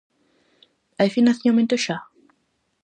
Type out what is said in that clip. Hai financiamento xa?